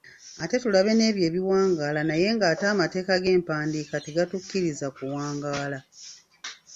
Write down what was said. Ate tulabe n’ebyo ebiwangaala naye ng’ate amateeka g’empandiika tegatukkiriza kuwangaala.